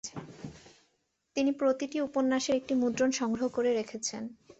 তিনি প্রতিটি উপন্যাসের একটি মুদ্রন সংগ্রহ করে রেখেছেন।